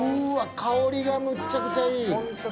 香りがむちゃくちゃいい。